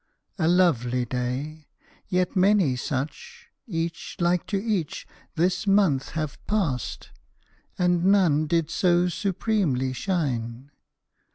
A lovely day! Yet many such, Each like to each, this month have passed, And none did so supremely shine.